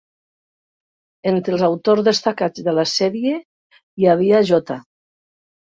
Entre els autors destacats de la sèrie hi havia J.